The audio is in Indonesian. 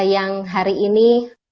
yang hari ini